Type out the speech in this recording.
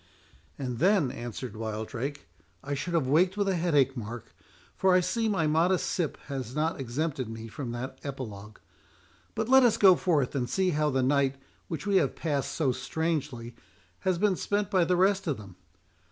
"And then," answered Wildrake, "I should have waked with a headache, Mark; for I see my modest sip has not exempted me from that epilogue.— But let us go forth, and see how the night, which we have passed so strangely, has been spent by the rest of them.